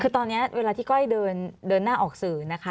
คือตอนนี้เวลาที่ก้อยเดินหน้าออกสื่อนะคะ